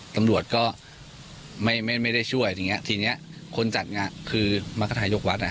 สำรวจก็ไม่ได้ช่วยทีนี้คนจัดคือมกฐายกวัด